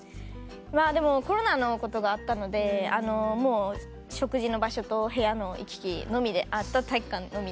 まぁでもコロナのことがあったので食事の場所と部屋の行き来のみであとは体育館のみで。